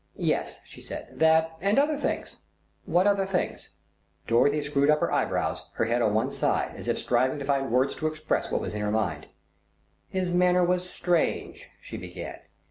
"Yes," she said, "that and other things." "What other things?" Dorothy screwed up her eyebrows, her head on one side, as if striving to find words to express what was in her mind. "His manner was strange," she began.